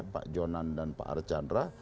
pak jonan dan pak archandra